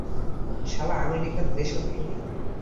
শালা আমেরিকান দেশদ্রোহী।